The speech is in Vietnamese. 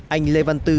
anh lê văn tư